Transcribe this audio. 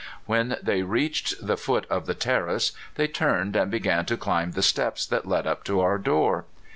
When they reached the foot of the terrace they turned and began to climb the steps that led up to our door.